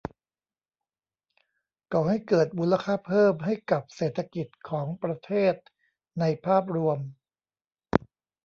ก่อให้เกิดมูลค่าเพิ่มให้กับเศรษฐกิจของประเทศในภาพรวม